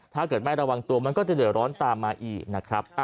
ถ้าเกิดไม่ระวังตัวมันก็จะเหลือร้อนตามมาอีกนะครับ